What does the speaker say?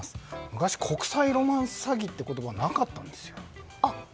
昔、国際ロマンス詐欺って言葉なかったんですよ。